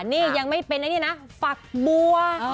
นี่ยังไม่เป็นนะนี่นะฝักบัว